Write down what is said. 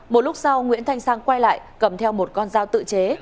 một lúc sau nguyễn thanh sang quay lại cầm theo một con dao tự chế